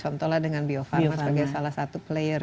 contohnya dengan biofarma sebagai salah satu player